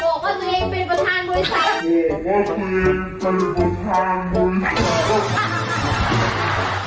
บอกว่าตัวเองเป็นประธานบริษัท